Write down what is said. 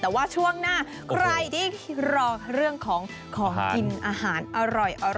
แต่ว่าช่วงหน้าใครที่รอเรื่องของของกินอาหารอร่อย